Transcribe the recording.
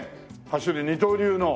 走る二刀流の。